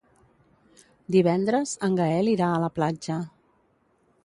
Divendres en Gaël irà a la platja.